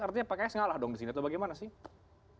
artinya pks ngalah dong di sini atau bagaimana sih